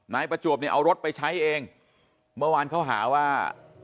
นายประจวบเนี่ยเอารถไปใช้เองเมื่อวานเขาหาว่า